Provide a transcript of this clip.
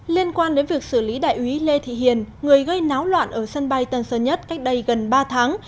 liên quan đến việc xử lý đại úy lê thị hiền người gây náo loạn ở sân bay tân sơn nhất cách đây gần ba tháng